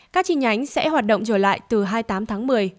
các chi nhánh sẽ hoạt động trở lại từ hai mươi tám tháng một mươi